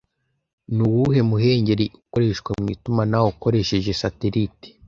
Nuwuhe muhengeri ukoreshwa mu itumanaho ukoresheje satelite